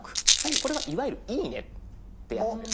これはいわゆる「いいね」ってやつです。